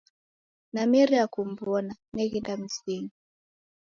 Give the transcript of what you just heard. Nameria kum'wona, neghenda mzinyi.